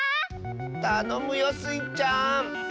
たのむよスイちゃん！